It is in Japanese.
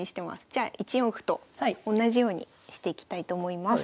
じゃあ１四歩と同じようにしていきたいと思います。